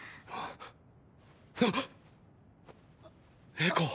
エコ！